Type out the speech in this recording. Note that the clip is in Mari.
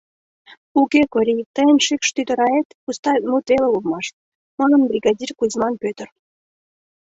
— Уке, Кори, тыйын шикш тӱтыраэт пуста мут веле улмаш, — манын бригадир Кузьман Пӧтыр.